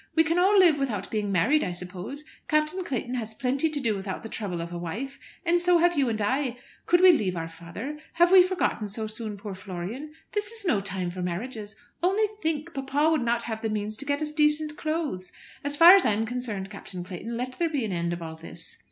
We can all live without being married, I suppose. Captain Clayton has plenty to do without the trouble of a wife. And so have you and I. Could we leave our father? And have we forgotten so soon poor Florian? This is no time for marriages. Only think, papa would not have the means to get us decent clothes. As far as I am concerned, Captain Clayton, let there be an end of all this."